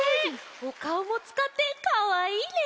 おかおもつかってかわいいね！